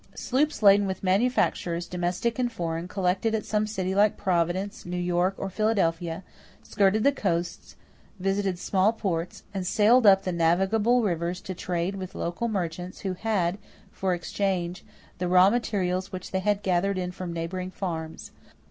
Sloops laden with manufactures, domestic and foreign, collected at some city like Providence, New York, or Philadelphia, skirted the coasts, visited small ports, and sailed up the navigable rivers to trade with local merchants who had for exchange the raw materials which they had gathered in from neighboring farms.